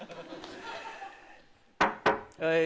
はい。